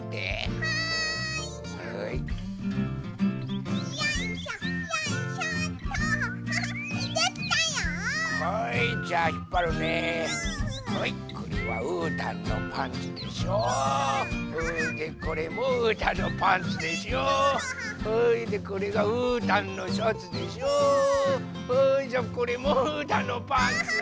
はいじゃこれもうーたんのパンツ。